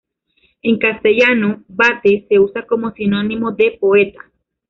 En castellano, "vate" se usa como sinónimo de "poeta".